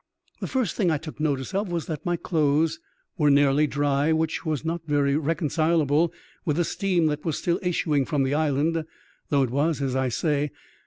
The first thing I took notice of was that my clothes were nearly dry, which was not very reconcilable with the steam that was still issuing from the island, though it was as I say.